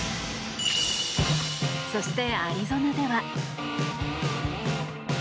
そして、アリゾナでは。